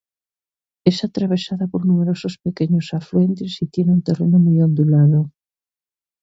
Es atravesada por numerosos pequeños afluentes, y tiene un terreno muy ondulado.